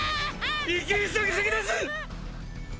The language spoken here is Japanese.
生き急ぎすぎです！